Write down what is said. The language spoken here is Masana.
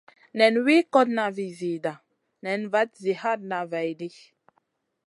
Nen wi kotna vi zida nen vat zi hatna vaidi.